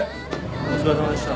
お疲れさまでした。